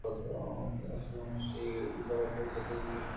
এই আসল মানুষটি জড়াইয়া পড়িয়াছে দেশ-কাল-নিমিত্তের জালে।